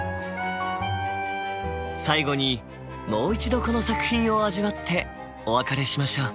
最後にもう一度この作品を味わってお別れしましょう。